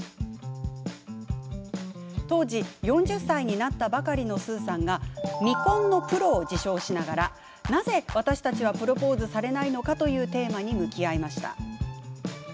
当時、４０歳になったばかりのスーさんが未婚のプロを自称しながらなぜ私たちはプロポーズされないのかというテーマに向き合いました。